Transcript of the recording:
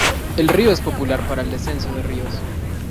El río es popular para el descenso de ríos.